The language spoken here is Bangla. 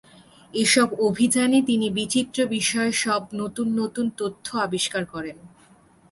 এসব অভিযানে তিনি বিচিত্র বিষয়ে সব নতুন নতুন তথ্য আবিষ্কার করেন।